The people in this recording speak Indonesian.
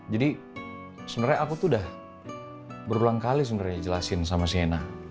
jadi sebenernya aku tuh udah berulang kali sebenernya jelasin sama sienna